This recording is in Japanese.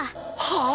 はあ！？